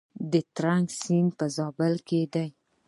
د ترنک سیند په زابل کې دی